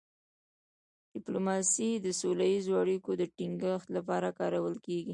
ډيپلوماسي د سوله ییزو اړیکو د ټینګښت لپاره کارول کېږي.